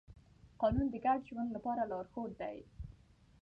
قانون د ګډ ژوند لپاره لارښود دی.